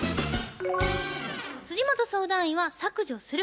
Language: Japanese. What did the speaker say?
本相談員は「削除する」